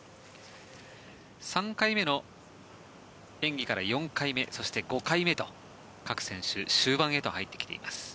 ３回目の演技から４回目そして５回目と各選手終盤へと入ってきています。